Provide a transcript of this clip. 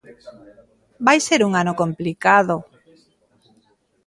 Vai ser un ano complicado.